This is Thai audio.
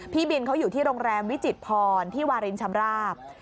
พี่บินเขาอยู่ที่โรงแรมวิจิตพรที่วารินชำราบ